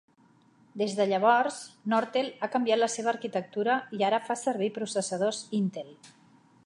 Des de llavors, Nortel ha canviat la seva arquitectura i ara fa servir processadores Intel.